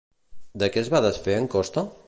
De què es va desfer en Costa?